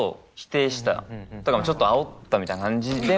だからちょっとあおったみたいな感じでも。